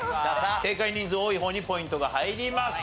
正解人数多い方にポイントが入ります。